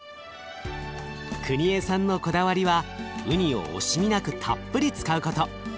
クニエさんのこだわりはうにを惜しみなくたっぷり使うこと。